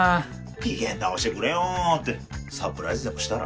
「機嫌なおしてくれよ」ってサプライズでもしたら？